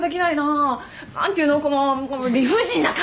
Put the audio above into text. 何て言うのこの理不尽な感じ！